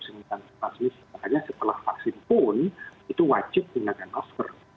makanya setelah vaksin pun itu wajib menangkan kasus